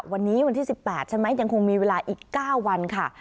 วันนี้วันที่๑๘ใช่ไหมยังคงมีเวลาอีก๙วันค่ะ